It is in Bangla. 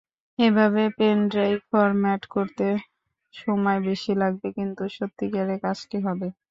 এভাবে পেনড্রাইভ ফরম্যাট করতে সময় বেশি লাগবে, কিন্তু সত্যিকারের কাজটি হবে।